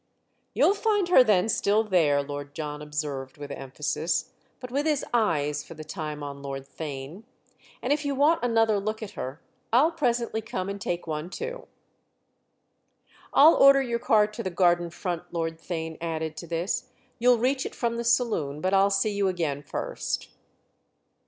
"You'll find her then still there," Lord John observed with emphasis, but with his eyes for the time on Lord Theign; "and if you want another look at her I'll presently come and take one too." "I'll order your car to the garden front," Lord Theign added to this; "you'll reach it from the saloon, but I'll see you again first."